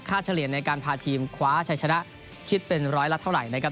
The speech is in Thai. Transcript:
เฉลี่ยในการพาทีมคว้าชัยชนะคิดเป็นร้อยละเท่าไหร่นะครับ